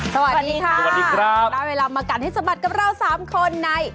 สวัสดีค่ะสวัสดีครับได้เวลามากัดให้สะบัดกับเราสามคนใน